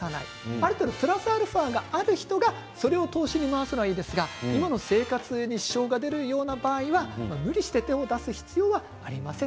あくまでプラスアルファがある人がそれを投資に回せばいいですが今の生活に支障を来すような場合は無理して投資に手を出す必要はありません。